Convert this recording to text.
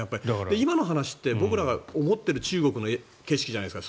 今の話って僕らが思っている中国の景色じゃないですか。